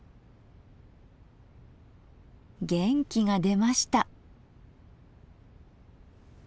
元気が出ました。